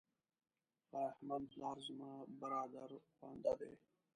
فرهمند پلار زما برادرخوانده دی.